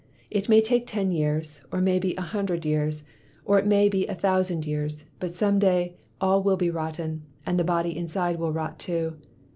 It may take ten years, or may be a hundred years, or it may be a thousand years; but some day all will be rotten, and the body inside will rot too.